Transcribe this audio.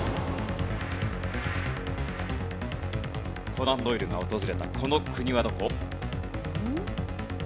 コナン・ドイルが訪れたこの国はどこ？